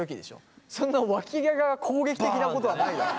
そんなわき毛が攻撃的なことはないだろ。